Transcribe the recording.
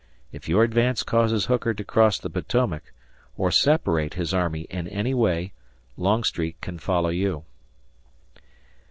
If your advance causes Hooker to cross the Potomac, or separate his army in any way, Longstreet can follow you."